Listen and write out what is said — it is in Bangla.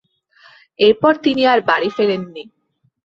এরপর তিনি আর বাড়ি ফেরেননি।